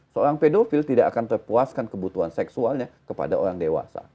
seorang pedofil tidak akan terpuaskan kebutuhan seksualnya kepada orang dewasa